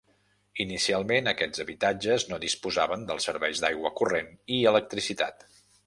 Inicialment aquests habitatges no disposaven dels serveis d'aigua corrent i electricitat.